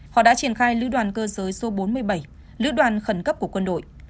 họ đã triển khai lưu đoàn cơ giới số bốn mươi bảy lưu đoàn khẩn cấp của quân đội